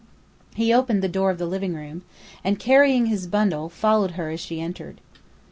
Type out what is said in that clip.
He opened the door of the living room, and, carrying his bundle, followed her as she entered.